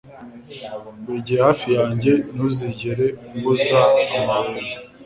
burigihe hafi yanjye ntuzigere umbuza amahwemo